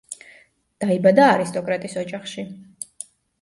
დაიბადა არისტოკრატის ოჯახში.